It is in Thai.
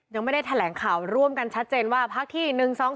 ยังไม่ได้แถลงข่าวร่วมกันชัดเจนว่าพักที่๑๒๒